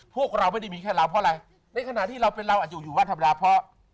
พวกเราไม่ได้มีแค่เราเพราะอะไรในขณะที่เราเป็นเราอาจจะอยู่บ้านธรรมดาเพราะ